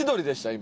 今。